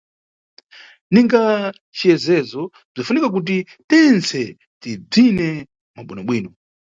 Ninga ciyezezo, bzinʼfunika kuti tentse tibvine mwa bwinobwino.